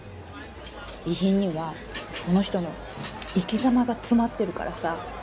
遺品にはその人の生き様が詰まってるからさ。